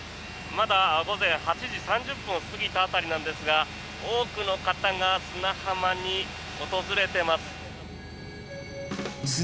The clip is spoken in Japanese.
まだ午前８時３０分を過ぎた辺りなんですが多くの方が砂浜に訪れています。